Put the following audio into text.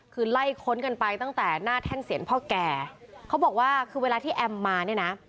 คือไล่ค้นกันไปตั้งแต่หน้าแท่นเสียงพ่อแก่เขาบอกว่าคือเวลาที่แอมมาเนี่ยนะ